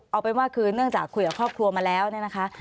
เอาเป็นว่าคือเนื่องจากคุยกับครอบครัวมาแล้วเนี่ยนะคะ